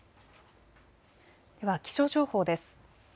では気象情報です。